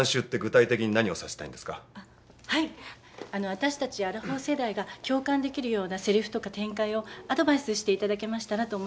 私たちアラフォー世代が共感できるようなせりふとか展開をアドバイスしていただけましたらと思いまして。